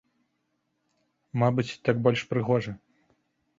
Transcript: Мабыць, так больш прыгожа.